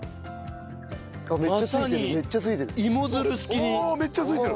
めっちゃ付いてる。